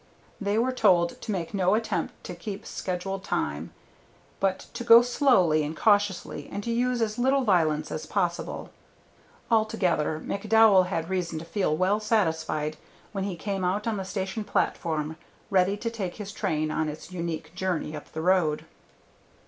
They were told to make no attempt to keep schedule time, but to go slowly and cautiously, and to use as little violence as possible. Altogether McDowell had reason to feel well satisfied when he came out on the station platform ready to take his train on its unique journey up the road.